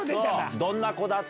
どんな子だった？